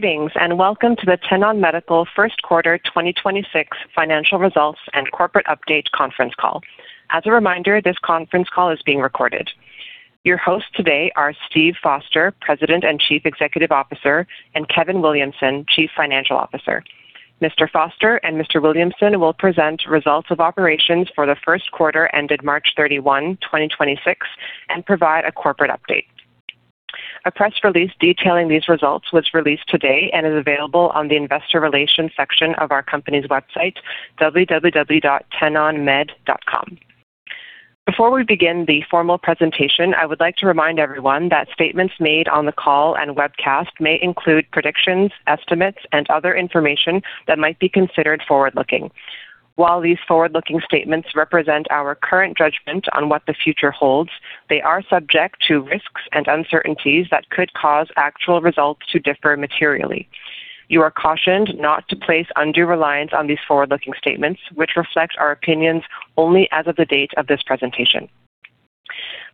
Greetings, and welcome to the Tenon Medical First Quarter 2026 Financial Results and Corporate Update conference call. As a reminder, this conference call is being recorded. Your hosts today are Steve Foster, President and Chief Executive Officer, and Kevin Williamson, Chief Financial Officer. Mr. Foster and Mr. Williamson will present results of operations for the first quarter ended March 31, 2026, and provide a corporate update. A press release detailing these results was released today and is available on the Investor Relations section of our company's website, www.tenonmed.com. Before we begin the formal presentation, I would like to remind everyone that statements made on the call and webcast may include predictions, estimates, and other information that might be considered forward-looking. While these forward-looking statements represent our current judgment on what the future holds, they are subject to risks and uncertainties that could cause actual results to differ materially. You are cautioned not to place undue reliance on these forward-looking statements, which reflect our opinions only as of the date of this presentation.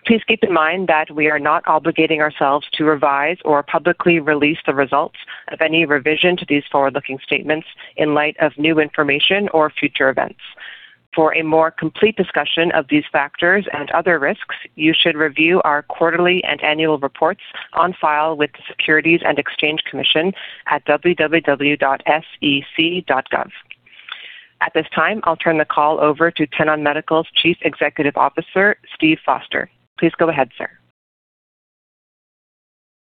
Please keep in mind that we are not obligating ourselves to revise or publicly release the results of any revision to these forward-looking statements in light of new information or future events. For a more complete discussion of these factors and other risks, you should review our quarterly and annual reports on file with the Securities and Exchange Commission at www.sec.gov. At this time, I'll turn the call over to Tenon Medical's Chief Executive Officer, Steve Foster. Please go ahead, sir.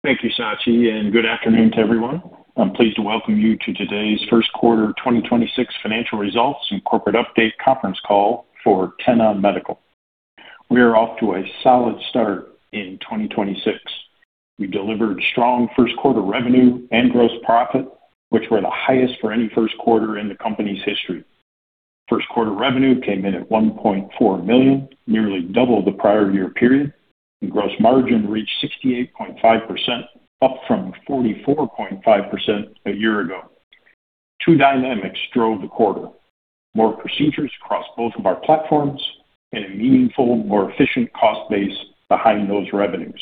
Thank you, Sachi, and good afternoon to everyone. I'm pleased to welcome you to today's first quarter 2026 financial results and corporate update conference call for Tenon Medical. We are off to a solid start in 2026. We delivered strong first quarter revenue and gross profit, which were the highest for any first quarter in the company's history. First quarter revenue came in at $1.4 million, nearly double the prior year period, and gross margin reached 68.5%, up from 44.5% a year ago. Two dynamics drove the quarter. More procedures across both of our platforms and a meaningful, more efficient cost base behind those revenues.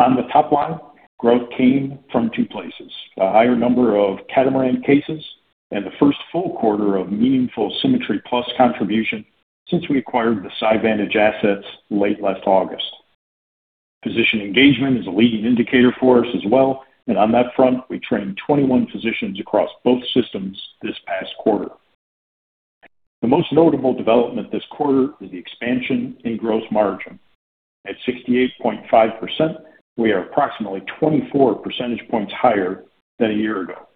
On the top line, growth came from two places. A higher number of Catamaran cases and the first full quarter of meaningful SImmetry+ contribution since we acquired the SiVantage assets late last August. Physician engagement is a leading indicator for us as well. On that front, we trained 21 physicians across both systems this past quarter. The most notable development this quarter is the expansion in gross margin. At 68.5%, we are approximately 24% points higher than a year ago.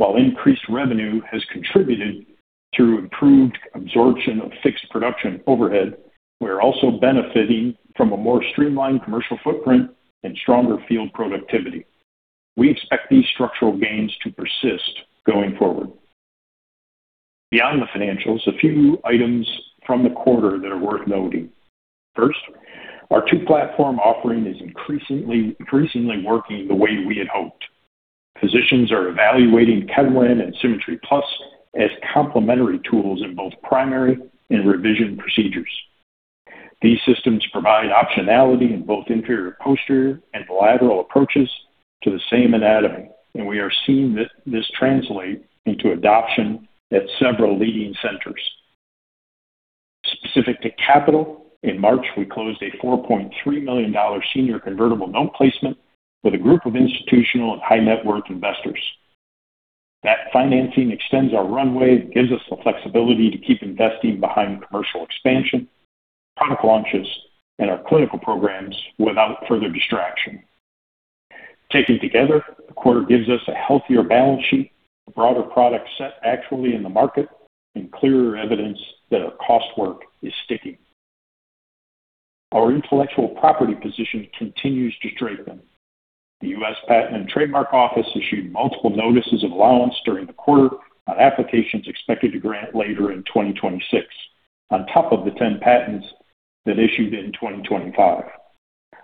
While increased revenue has contributed through improved absorption of fixed production overhead, we are also benefiting from a more streamlined commercial footprint and stronger field productivity. We expect these structural gains to persist going forward. Beyond the financials, a few items from the quarter that are worth noting. First, our two-platform offering is increasingly working the way we had hoped. Physicians are evaluating Catamaran and SImmetry+ as complementary tools in both primary and revision procedures. These systems provide optionality in both inferior posterior and lateral approaches to the same anatomy, and we are seeing this translate into adoption at several leading centers. Specific to capital, in March, we closed a $4.3 million senior convertible note placement with a group of institutional and high-net-worth investors. That financing extends our runway and gives us the flexibility to keep investing behind commercial expansion, product launches, and our clinical programs without further distraction. Taken together, the quarter gives us a healthier balance sheet, a broader product set actually in the market, and clearer evidence that our cost work is sticking. Our intellectual property position continues to strengthen. The U.S. Patent and Trademark Office issued multiple notices of allowance during the quarter on applications expected to grant later in 2026, on top of the 10 patents that issued in 2025.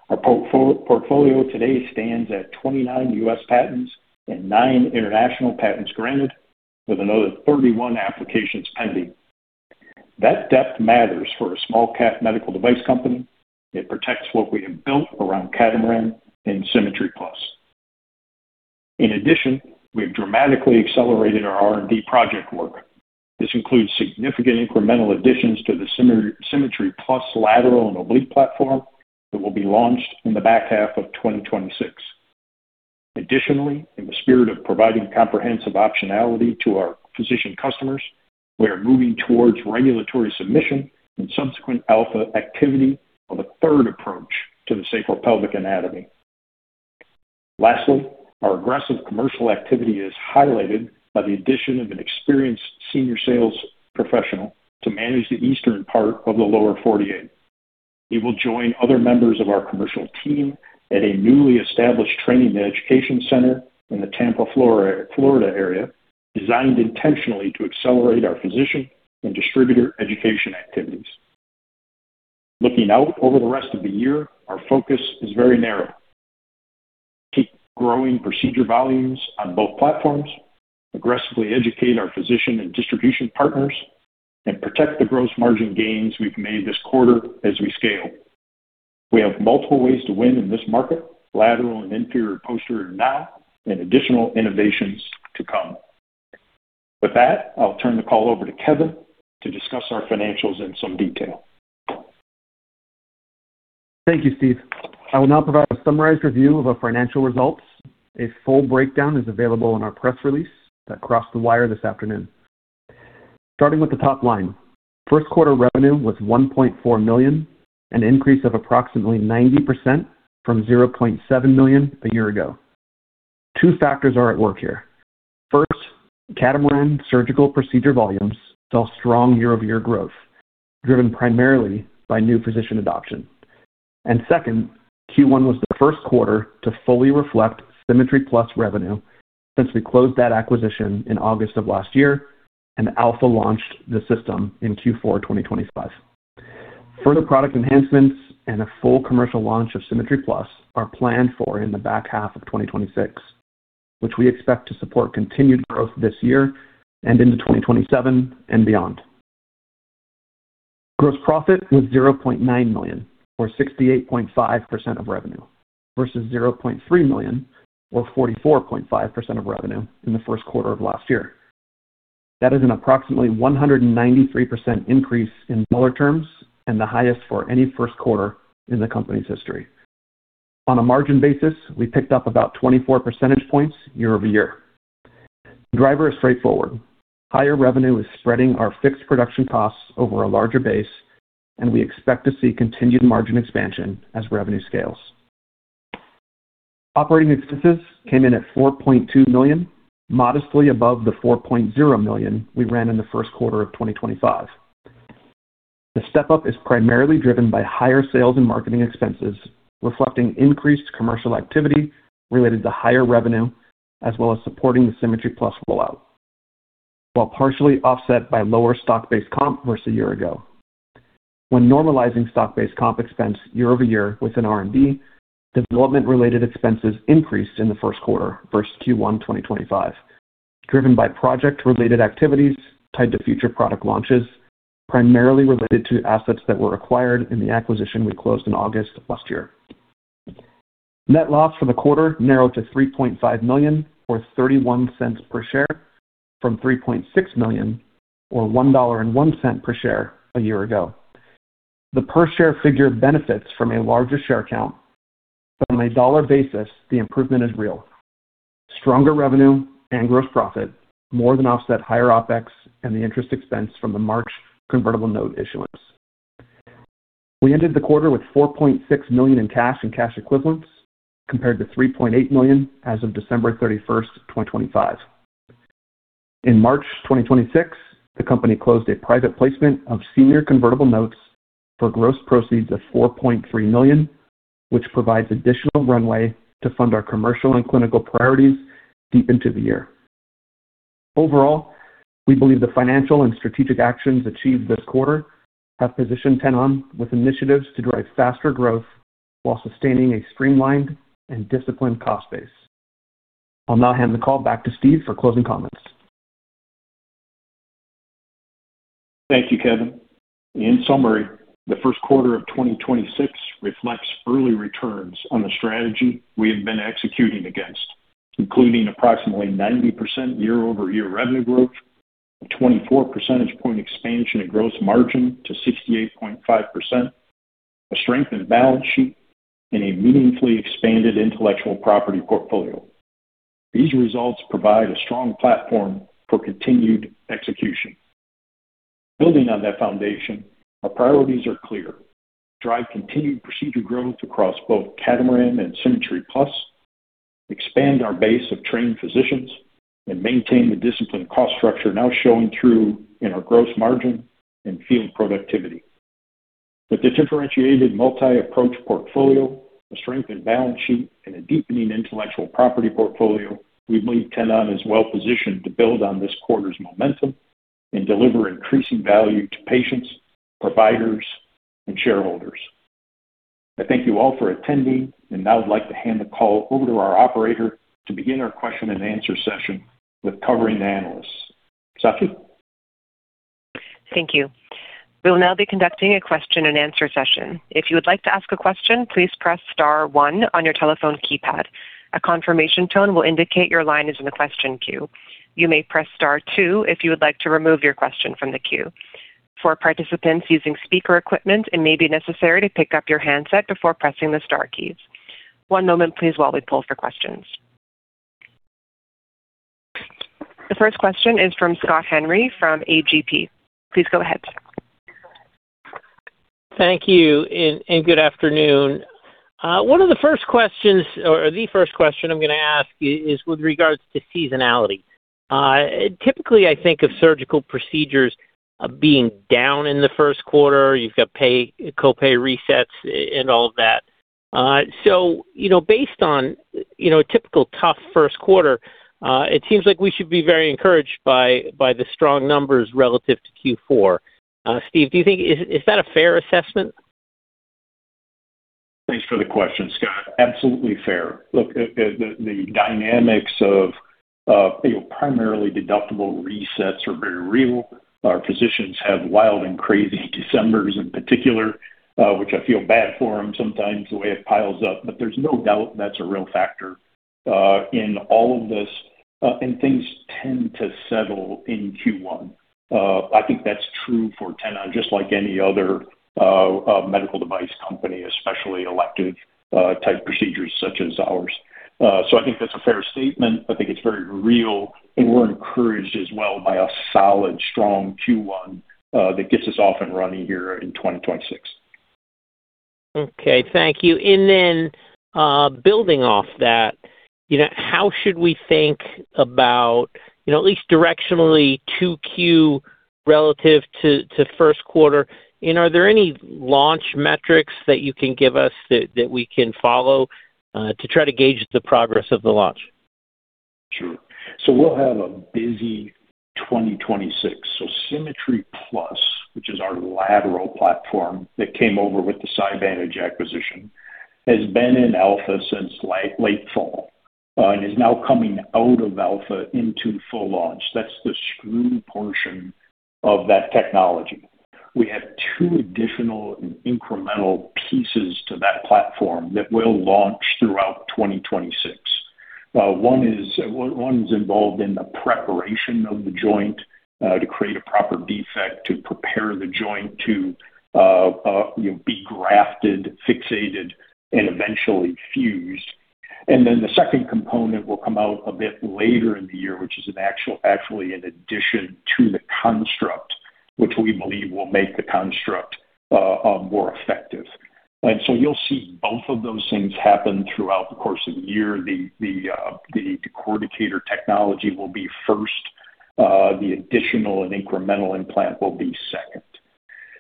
Our portfolio today stands at 29 U.S. patents and nine international patents granted with another 31 applications pending. That depth matters for a small cap medical device company. It protects what we have built around Catamaran and SImmetry+. In addition, we've dramatically accelerated our R&D project work. This includes significant incremental additions to the SImmetry+ lateral and oblique platform that will be launched in the back half of 2026. Additionally, in the spirit of providing comprehensive optionality to our physician customers, we are moving towards regulatory submission and subsequent alpha activity on the third approach to the sacro-pelvic anatomy. Lastly, our aggressive commercial activity is highlighted by the addition of an experienced senior sales professional to manage the eastern part of the lower 48. He will join other members of our commercial team at a newly established training and education center in the Tampa, Florida area, designed intentionally to accelerate our physician and distributor education activities. Looking out over the rest of the year, our focus is very narrow. Keep growing procedure volumes on both platforms, aggressively educate our physician and distribution partners, and protect the gross margin gains we've made this quarter as we scale. We have multiple ways to win in this market, lateral and inferior posterior now, and additional innovations to come. With that, I'll turn the call over to Kevin to discuss our financials in some detail. Thank you, Steve. I will now provide a summarized review of our financial results. A full breakdown is available in our press release that crossed the wire this afternoon. Starting with the top line, first quarter revenue was $1.4 million, an increase of approximately 90% from $0.7 million a year ago. Two factors are at work here. First, Catamaran surgical procedure volumes saw strong year-over-year growth, driven primarily by new physician adoption. Second, Q1 was the first quarter to fully reflect SImmetry+ revenue since we closed that acquisition in August of last year and alpha launched the system in Q4 2025. Further product enhancements and a full commercial launch of SImmetry+ are planned for in the back half of 2026, which we expect to support continued growth this year and into 2027 and beyond. Gross profit was $0.9 million, or 68.5% of revenue, versus $0.3 million or 44.5% of revenue in the first quarter of last year. That is an approximately 193% increase in dollar terms and the highest for any first quarter in the company's history. On a margin basis, we picked up about 24% points year-over-year. Driver is straightforward. Higher revenue is spreading our fixed production costs over a larger base, and we expect to see continued margin expansion as revenue scales. Operating expenses came in at $4.2 million, modestly above the $4.0 million we ran in the first quarter of 2025. The step-up is primarily driven by higher sales and marketing expenses, reflecting increased commercial activity related to higher revenue as well as supporting the SImmetry+ rollout, while partially offset by lower stock-based comp versus a year ago. When normalizing stock-based comp expense year-over-year within R&D, development-related expenses increased in the first quarter versus Q1 2025, driven by project-related activities tied to future product launches, primarily related to assets that were acquired in the acquisition we closed in August of last year. Net loss for the quarter narrowed to $3.5 million or $0.31 per share from $3.6 million or $1.01 per share a year ago. The per-share figure benefits from a larger share count, but on a dollar basis, the improvement is real. Stronger revenue and gross profit more than offset higher OpEx and the interest expense from the March convertible note issuance. We ended the quarter with $4.6 million in cash and cash equivalents compared to $3.8 million as of December 31st, 2025. In March 2026, the company closed a private placement of senior convertible notes for gross proceeds of $4.3 million, which provides additional runway to fund our commercial and clinical priorities deep into the year. Overall, we believe the financial and strategic actions achieved this quarter have positioned Tenon with initiatives to drive faster growth while sustaining a streamlined and disciplined cost base. I'll now hand the call back to Steve for closing comments. Thank you, Kevin. In summary, the first quarter of 2026 reflects early returns on the strategy we have been executing against, including approximately 90% year-over-year revenue growth, a 24% point expansion in gross margin to 68.5%, a strengthened balance sheet, and a meaningfully expanded intellectual property portfolio. These results provide a strong platform for continued execution. Building on that foundation, our priorities are clear. Drive continued procedure growth across both Catamaran and SImmetry+, expand our base of trained physicians, and maintain the disciplined cost structure now showing through in our gross margin and field productivity. With this differentiated multi-approach portfolio, a strengthened balance sheet, and a deepening intellectual property portfolio, we believe Tenon is well positioned to build on this quarter's momentum and deliver increasing value to patients, providers, and shareholders. I thank you all for attending, and now I'd like to hand the call over to our operator to begin our question and answer session with covering analysts. Sachi? Thank you. We will now be conducting a question and answer session. If you would like to ask a question, please press star one on your telephone keypad. A confirmation tone will indicate your line is in the question queue. You may press star two if you would like to remove your question from the queue. For participants using speaker equipment, it may be necessary to pick up your handset before pressing the star keys. One moment please while we poll for questions. The first question is from Scott Henry from AGP. Please go ahead. Thank you and good afternoon. One of the first questions or the first question I'm going to ask with regards to seasonality. Typically, I think of surgical procedures, being down in the 1st quarter. You've got copay resets and all of that. You know, based on, you know, a typical tough 1st quarter, it seems like we should be very encouraged by the strong numbers relative to Q4. Steve, do you think, is that a fair assessment? Thanks for the question, Scott. Absolutely fair. Look, the dynamics of, you know, primarily deductible resets are very real. Our physicians have wild and crazy Decembers in particular, which I feel bad for them sometimes the way it piles up, but there's no doubt that's a real factor in all of this. Things tend to settle in Q1. I think that's true for Tenon, just like any other medical device company, especially elective type procedures such as ours. I think that's a fair statement. I think it's very real, and we're encouraged as well by a solid, strong Q1 that gets us off and running here in 2026. Okay. Thank you. Building off that, you know, how should we think about, you know, at least directionally 2Q relative to first quarter? Are there any launch metrics that you can give us that we can follow to try to gauge the progress of the launch? Sure. We'll have a busy 2026. SImmetry+, which is our lateral platform that came over with the SiVantage acquisition, has been in alpha since late fall, and is now coming out of alpha into full launch. That's the screw portion of that technology. We have two additional and incremental pieces to that platform that will launch throughout 2026. 1 is involved in the preparation of the joint to create a proper defect to prepare the joint to, you know, be grafted, fixated, and eventually fused. The second component will come out a bit later in the year, which is actually an addition to the construct, which we believe will make the construct more effective. You'll see both of those things happen throughout the course of the year. The decorticator technology will be first. The additional and incremental implant will be second.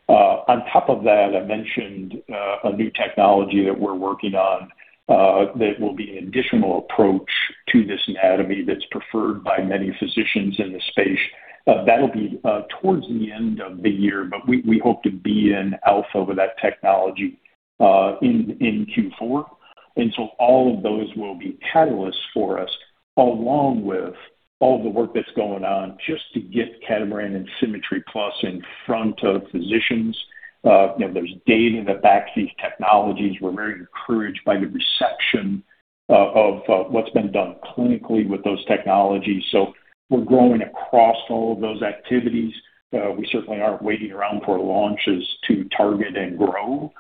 On top of that, I mentioned a new technology that we're working on that will be an additional approach to this anatomy that's preferred by many physicians in the space. That'll be towards the end of the year, but we hope to be in alpha with that technology in Q4. All of those will be catalysts for us, along with all the work that's going on just to get Catamaran and SImmetry+ in front of physicians. You know, there's data that backs these technologies. We're very encouraged by the reception of what's been done clinically with those technologies. We're growing across all of those activities. We certainly aren't waiting around for launches to target and grow.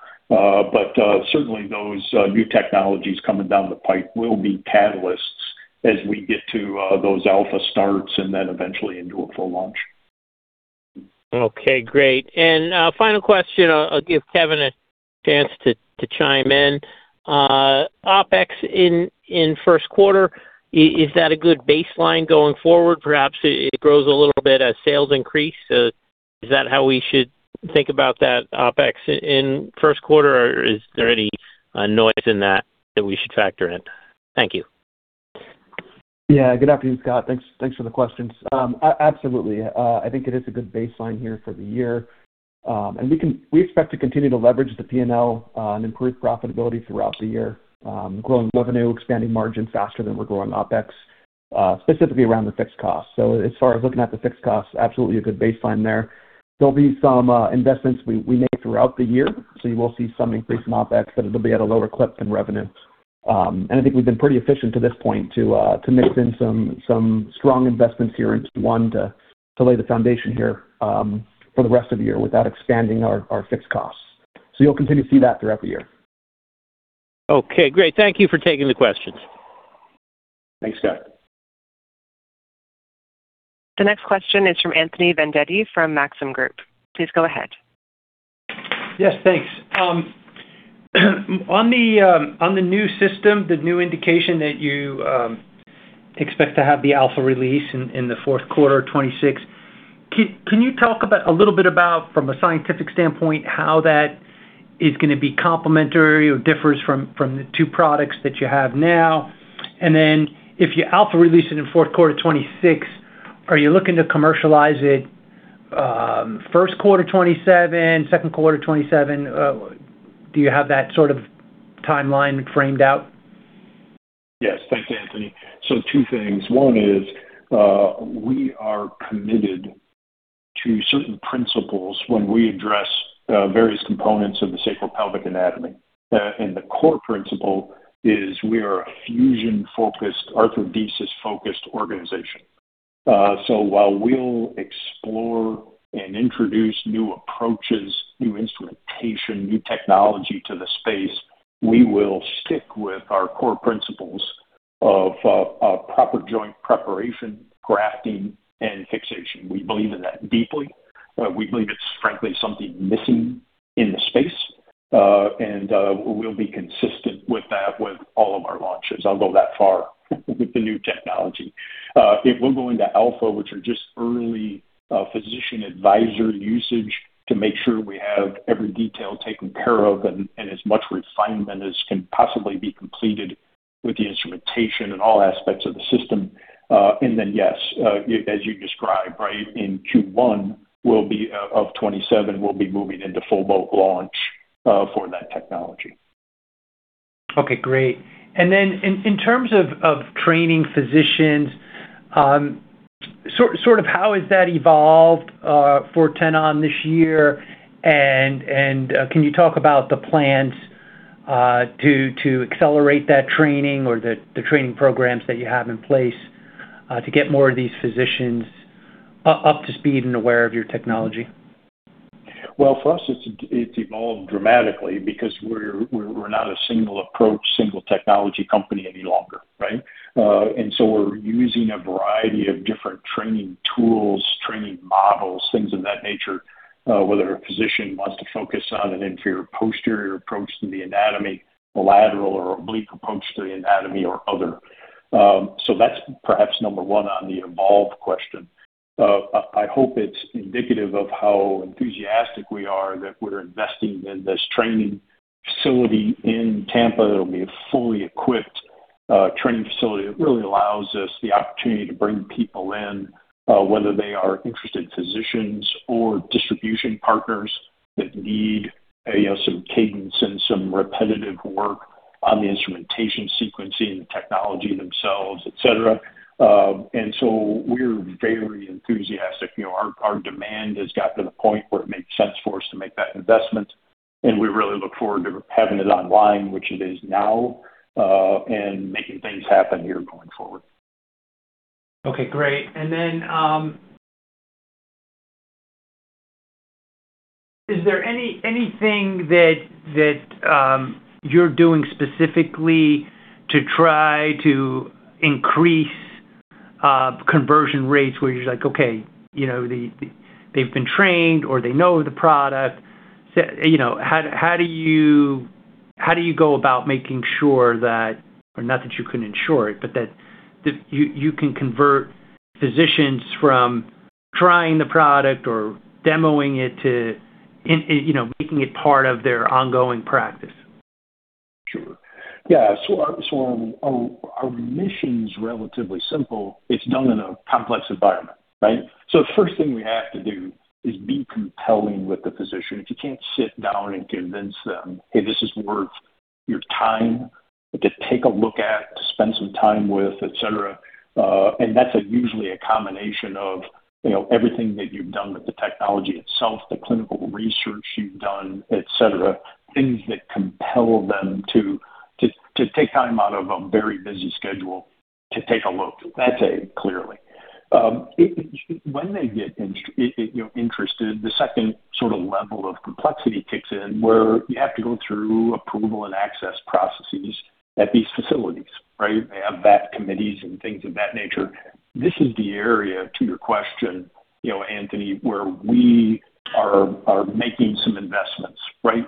Certainly those, new technologies coming down the pipe will be catalysts as we get to, those alpha starts and then eventually into a full launch. Okay, great. Final question. I'll give Kevin a chance to chime in. OpEx in first quarter, is that a good baseline going forward? Perhaps it grows a little bit as sales increase. Is that how we should think about that OpEx in first quarter, or is there any noise in that that we should factor in? Thank you. Good afternoon, Scott. Thanks for the questions. Absolutely. I think it is a good baseline here for the year. We expect to continue to leverage the P&L and improve profitability throughout the year. Growing revenue, expanding margin faster than we're growing OpEx, specifically around the fixed cost. As far as looking at the fixed cost, absolutely a good baseline there. There'll be some investments we make throughout the year. You will see some increase in OpEx, but it'll be at a lower clip than revenue. I think we've been pretty efficient to this point to mix in some strong investments here into Q1 to lay the foundation here for the rest of the year without expanding our fixed costs. You'll continue to see that throughout the year. Okay, great. Thank you for taking the questions. Thanks, Scott. The next question is from Anthony Vendetti from Maxim Group. Please go ahead. Yes, thanks. On the new system, the new indication that you expect to have the alpha release in the fourth quarter of 2026, can you talk about a little bit about, from a scientific standpoint, how that is gonna be complementary or differs from the two products that you have now? If you alpha release it in fourth quarter 2026, are you looking to commercialize it, first quarter 2027, second quarter 2027? Do you have that sort of timeline framed out? Yes. Thanks, Anthony. So two things. One is, we are committed to certain principles when we address various components of the sacro-pelvic anatomy. The core principle is we are a fusion-focused, arthrodesis-focused organization. While we'll explore and introduce new approaches, new instrumentation, new technology to the space, we will stick with our core principles of proper joint preparation, grafting, and fixation. We believe in that deeply. We believe it's frankly something missing in the space, and we'll be consistent with that with all of our launches. I'll go that far with the new technology. If we're going to alpha, which are just early, physician advisory usage to make sure we have every detail taken care of and as much refinement as can possibly be completed with the instrumentation and all aspects of the system. Then, yes, as you described, right, in Q1 of 2027, we'll be moving into full boat launch for that technology. Okay, great. In terms of training physicians, sort of how has that evolved for Tenon Medical this year? Can you talk about the plans to accelerate that training or the training programs that you have in place, to get more of these physicians up to speed and aware of your technology? Well, for us, it's evolved dramatically because we're not a single approach, single technology company any longer, right? We're using a variety of different training tools, training models, things of that nature, whether a physician wants to focus on an inferior posterior approach to the anatomy, a lateral or oblique approach to the anatomy or other. That's perhaps number one on the evolved question. I hope it's indicative of how enthusiastic we are that we're investing in this training facility in Tampa that'll be a fully equipped training facility. It really allows us the opportunity to bring people in, whether they are interested physicians or distribution partners that need, you know, some cadence and some repetitive work on the instrumentation sequencing, the technology themselves, et cetera. We're very enthusiastic. You know, our demand has got to the point where it makes sense for us to make that investment, and we really look forward to having it online, which it is now, and making things happen here going forward. Okay, great. Is there anything that you're doing specifically to try to increase conversion rates where you're just like, okay, you know, they've been trained or they know the product. You know, how do you go about making sure that or not that you can ensure it, but that you can convert physicians from trying the product or demoing it to in, you know, making it part of their ongoing practice? Sure. Yeah. Our mission is relatively simple. It's done in a complex environment, right? The first thing we have to do is be compelling with the physician. If you can't sit down and convince them, "Hey, this is worth your time to take a look at, to spend some time with," et cetera, and that's usually a combination of, you know, everything that you've done with the technology itself, the clinical research you've done, et cetera, things that compel them to take time out of a very busy schedule to take a look. That's it, clearly. When they get interested, the second sort of level of complexity kicks in, where you have to go through approval and access processes at these facilities, right? They have thcommittees and things of that nature. This is the area to your question, you know, Anthony, where we are making some investments.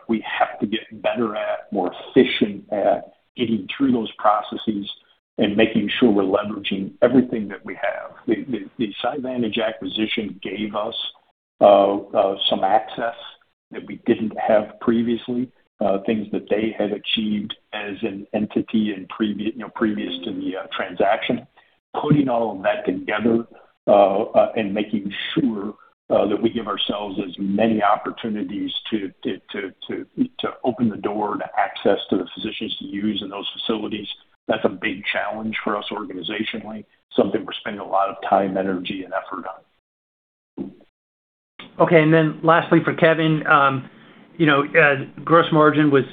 We have to get better at, more efficient at getting through those processes and making sure we're leveraging everything that we have. The SiVantage acquisition gave us some access that we didn't have previously, you know, previous to the transaction. Putting all of that together and making sure that we give ourselves as many opportunities to open the door to access to the physicians to use in those facilities, that's a big challenge for us organizationally, something we're spending a lot of time, energy, and effort on. Okay. Lastly for Kevin, you know, gross margin was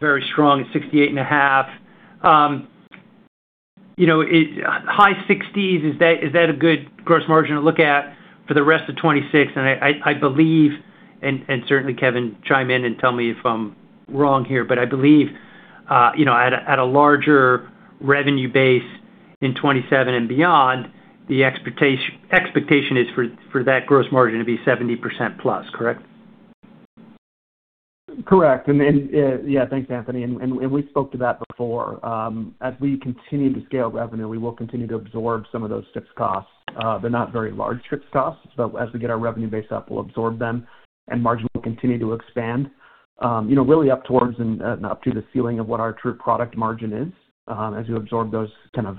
very strong at 68.5%. You know, high 60s, is that, is that a good gross margin to look at for the rest of 2026? I, I believe, and certainly Kevin chime in and tell me if I'm wrong here, but I believe, you know, at a, at a larger revenue base in 2027 and beyond, the expectation is for that gross margin to be 70% plus, correct? Correct. Yeah, thanks, Anthony. We spoke to that before. As we continue to scale revenue, we will continue to absorb some of those fixed costs. They're not very large fixed costs, but as we get our revenue base up, we'll absorb them, and margin will continue to expand, you know, really up towards and up to the ceiling of what our true product margin is, as you absorb those kind of,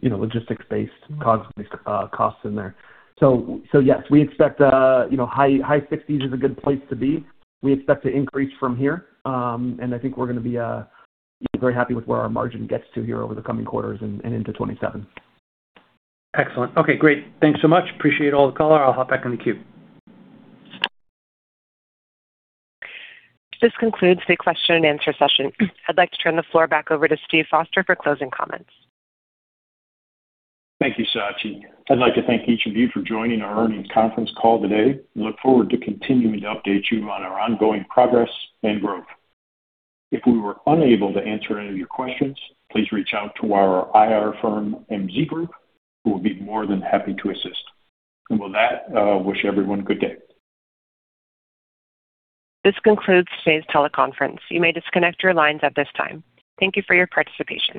you know, logistics-based costs in there. Yes, we expect, you know, high 60s is a good place to be. We expect to increase from here. I think we're gonna be very happy with where our margin gets to here over the coming quarters and into 2027. Excellent. Okay, great. Thanks so much. Appreciate all the color. I'll hop back in the queue. This concludes the question and answer session. I'd like to turn the floor back over to Steve Foster for closing comments. Thank you, Sachi. I'd like to thank each of you for joining our earnings conference call today. Look forward to continuing to update you on our ongoing progress and growth. If we were unable to answer any of your questions, please reach out to our IR firm, MZ Group, who will be more than happy to assist. With that, I wish everyone a good day. This concludes today's teleconference. You may disconnect your lines at this time. Thank you for your participation.